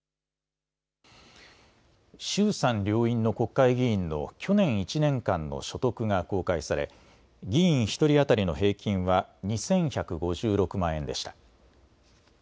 衆参両院の国会議員の去年１年間の所得が公開され議員１人当たりの平均は２１５６万円でした。